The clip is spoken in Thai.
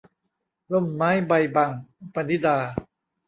ร่มไม้ใบบัง - ปณิดา